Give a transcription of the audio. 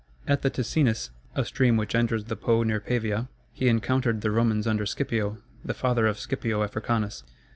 At the Ticinus, a stream which enters the Po near Pavia, he encountered the Romans under Scipio, the father of Scipio Africanus.